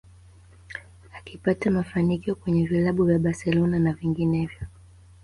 Akipata mafanikio kwenye vilabu vya Barcelona na vinginevyo